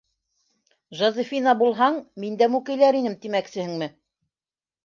Жозефина булһаң, мин дә мүкәйләр инем тимәксеһеңме?